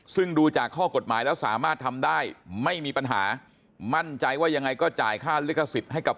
ซึ่งดูจากข้อกฎหมายแล้วสามารถทำได้ไม่มีปัญหามั่นใจว่ายังไงก็จ่ายค่าลิขสิทธิ์ให้กับ